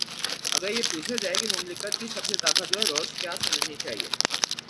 اگر یہ پوچھا جائے کہ مملکت کی سب سے طاقتور روش کیا سمجھنی چاہیے۔